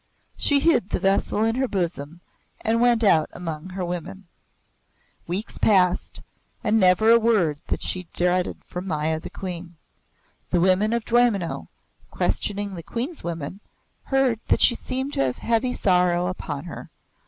She hid the vessel in her bosom and went out among her women. Weeks passed, and never a word that she dreaded from Maya the Queen. The women of Dwaymenau, questioning the Queen's women, heard that she seemed to have heavy sorrow upon her.